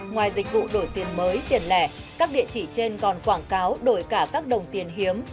ngoài dịch vụ đổi tiền mới tiền lẻ các địa chỉ trên còn quảng cáo đổi cả các đồng tiền hiếm